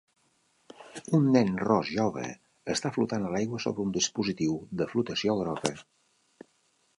Un nen Ros jove està flotant a l'aigua sobre un dispositiu de flotació groga.